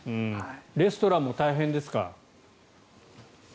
レストランも大変ですか？